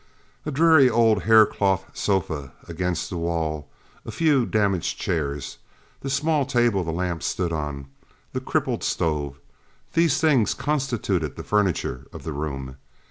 A dreary old hair cloth sofa against the wall; a few damaged chairs; the small table the lamp stood on; the crippled stove these things constituted the furniture of the room.